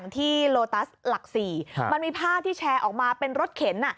ที่โลตัสหลัก๔มันมีภาพที่แชร์ออกมาเป็นรถเข็น